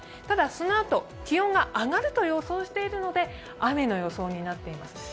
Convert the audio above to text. ただ、そのあと気温が上がると予想しているので、雨の予想になっています。